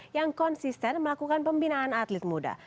yang konsisten melakukan pembinaan atlet muda